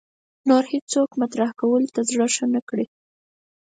نور هېڅوک مطرح کولو زړه ښه نه کړي